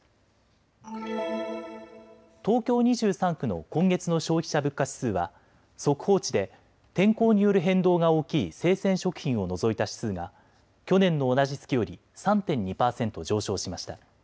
東京２３区の今月の消費者物価指数は速報値で天候による変動が大きい生鮮食品を除いた指数が去年の同じ月より３．２％上昇しました。